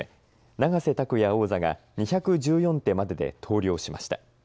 永瀬拓矢王座が２１４手までで投了しました。